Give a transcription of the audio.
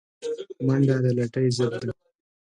منډه د لټۍ ضد ده